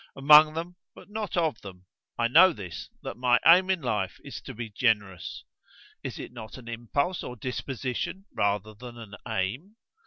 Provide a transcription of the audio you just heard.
'Among them, but not of them.' I know this, that my aim in life is to be generous." "Is it not an impulse or disposition rather than an aim?"